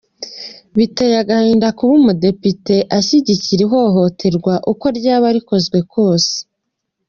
Biteye agahinda kuba umudepite ashyigikira ihohoterwa uko ryaba rikozwe kose.